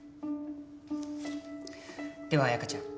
では彩香ちゃん。